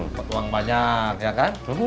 dapat uang banyak ya kan